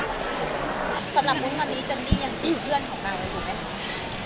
สำหรับวุ้นตอนนี้เจนนี่ยังเป็นเพื่อนของเราอยู่ไหมคะ